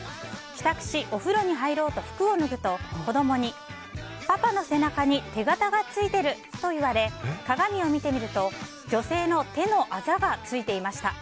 帰宅し、お風呂に入ろうと服を脱ぐと子供にパパの背中に手形がついているといわれ鏡を見てみると女性の手のあざがついていました。